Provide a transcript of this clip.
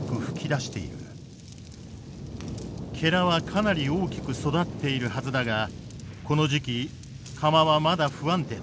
かなり大きく育っているはずだがこの時期釜はまだ不安定だ。